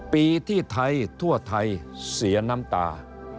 ปีที่ไทยทั่วไทยเสียน้ำตา